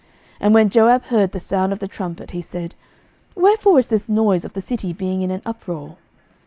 And when Joab heard the sound of the trumpet, he said, Wherefore is this noise of the city being in an uproar?